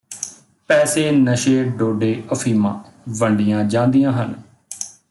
ਪੈਸੇ ਨਸ਼ੇ ਡੋਡੇ ਅਫ਼ੀਮਾਂ ਵੰਡੀਆਂ ਜਾਂਦੀਆਂ ਹਨ